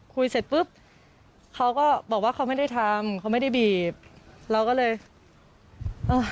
เสร็จปุ๊บเขาก็บอกว่าเขาไม่ได้ทำเขาไม่ได้บีบเราก็เลยเออ